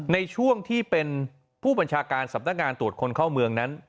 ในช่วงที่เป็นผู้บัญชาการสำนักงานตรวจคนเข้าเมืองนั้น